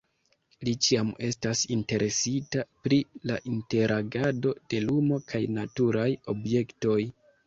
Li ĉiam estas interesita pri la interagado de lumo kaj naturaj objektoj.